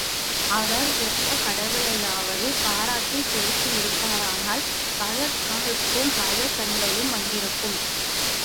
அவர் எந்தக் கடவுளையாவது பாராட்டிப் பேசியிருப்பாரானால் மதக்காழ்ப்பும், மதச் சண்டையும் வந்திருக்கும்.